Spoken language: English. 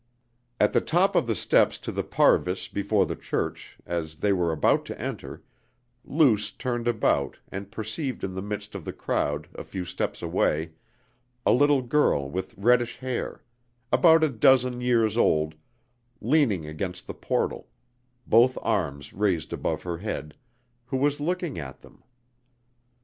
At the top of the steps to the parvis before the church, as they were about to enter, Luce turned about and perceived in the midst of the crowd a few steps away a little girl with reddish hair, about a dozen years old, leaning against the portal, both arms raised above her head, who was looking at them.